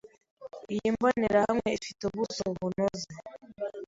Iyi mbonerahamwe ifite ubuso bunoze.